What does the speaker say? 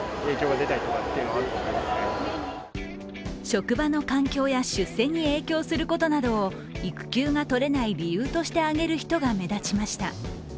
職場の環境や出世に影響することなどを育休が取れない理由として挙げる人が目立ちました。